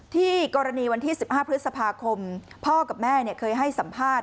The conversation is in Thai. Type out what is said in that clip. กรณีวันที่๑๕พฤษภาคมพ่อกับแม่เคยให้สัมภาษณ์